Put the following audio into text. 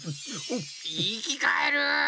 いきかえる！